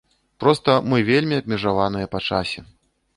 Проста, мы вельмі абмежаваныя па часе.